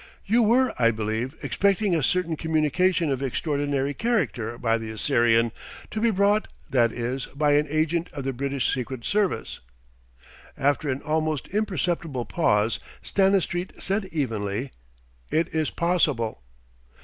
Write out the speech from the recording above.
"You were, I believe, expecting a certain communication of extraordinary character by the Assyrian, to be brought, that is, by an agent of the British Secret Service." After an almost imperceptible pause Stanistreet said evenly: "It is possible."